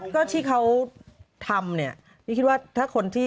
ก็ที่เขาทำเนี่ยพี่คิดว่าถ้าคนที่